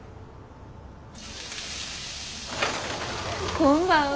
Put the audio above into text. こんばんは。